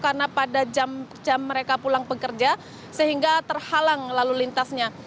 karena pada jam jam mereka pulang pekerja sehingga terhalang lalu lintasnya